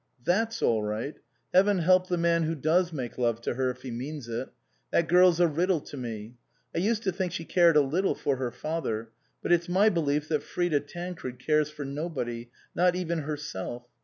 " That's all right. Heaven help the man who does make love to her, if he means it. That girl's a riddle to me. I used to think she cared a little for her father ; but it's my belief that Frida Tancred cares for nobody, not even herself.